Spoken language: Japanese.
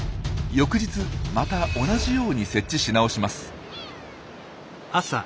翌日また同じように設置し直します。